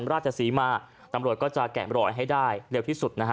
ราชศรีมาตำรวจก็จะแกะมรอยให้ได้เร็วที่สุดนะฮะ